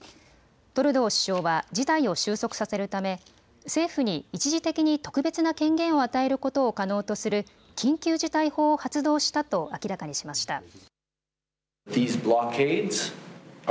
トルドー首相は事態を収束させるため政府に一時的に特別な権限を与えることを可能とする緊急事態法を発動したと明らかにしました。